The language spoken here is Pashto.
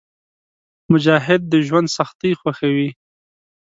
مجاهد د ژوند سختۍ خوښوي.